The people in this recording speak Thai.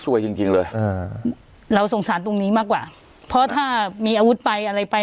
จริงจริงเลยอ่าเราสงสารตรงนี้มากกว่าเพราะถ้ามีอาวุธไปอะไรไป